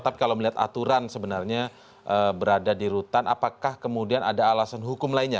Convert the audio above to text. tapi kalau melihat aturan sebenarnya berada di rutan apakah kemudian ada alasan hukum lainnya